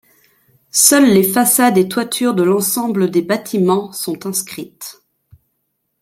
Seules les façades et toitures de l'ensemble des bâtiments sont inscrites.